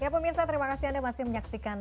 ya pemirsa terima kasih anda masih menyaksikan